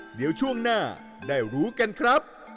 เดี๋ยวช่วงหน้าได้รู้กันครับ